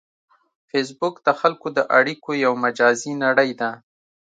فېسبوک د خلکو د اړیکو یو مجازی نړۍ ده